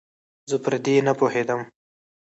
زه پر دې نپوهېدم